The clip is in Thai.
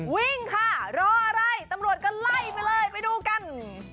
วิ่งค่ะรออะไรตำรวจก็ไล่ไปเลยไปดูกัน